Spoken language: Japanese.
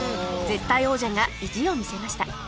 絶対王者が意地を見せました